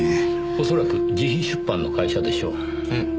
おそらく自費出版の会社でしょう。